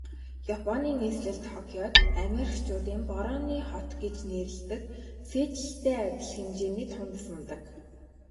Японы нийслэл Токиод Америкчуудын Борооны хот гэж нэрлэдэг Сиэтллтэй адил хэмжээний тунадас унадаг.